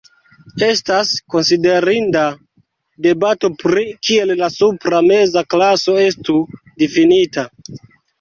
Estas konsiderinda debato pri kiel la supra meza klaso estu difinita.